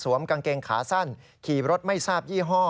กางเกงขาสั้นขี่รถไม่ทราบยี่ห้อ